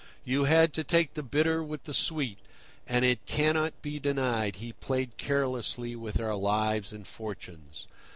You had to take the bitter with the sweet; and it cannot be denied he played carelessly with our lives and fortunes.